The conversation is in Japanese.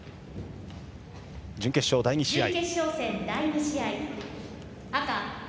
準決勝第２試合。